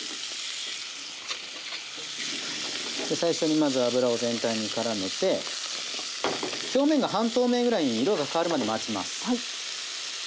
最初にまず油を全体に絡めて表面が半透明ぐらいに色が変わるまで待ちます。